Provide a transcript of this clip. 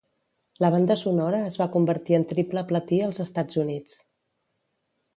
La banda sonora es va convertir en triple platí als Estats Units.